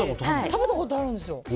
食べたことあるんですよ。